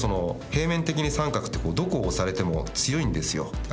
平面的に三角ってどこを押されても強いんですよ。